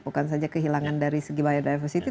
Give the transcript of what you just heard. bukan saja kehilangan dari segi biodiversity